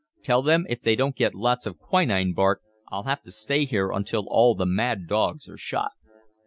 Tell them if they don't get lots of quinine bark I'll have to stay here until all the mad dogs are shot."